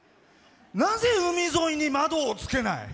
なぜ海沿いに窓をつけない！